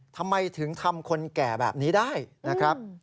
ทำไมถึงทำคนแก่แบบนี้ได้นะครับ